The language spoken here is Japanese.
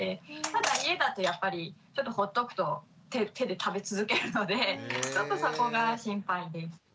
ただ家だとやっぱりほっとくと手で食べ続けるのでちょっとそこが心配です。